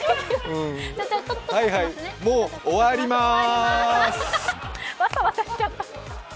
もう、終わります。